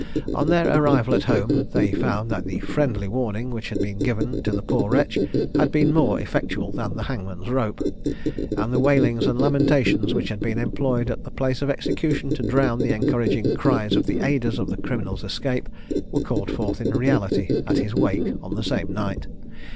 On their arrival at home, they found that the "friendly" warning which had been given to the poor wretch, had been more effectual than the hangman's rope; and the wailings and lamentations which had been employed at the place of execution to drown the encouraging cries of the aiders of the criminal's escape, were called forth in reality at his wake on the same night.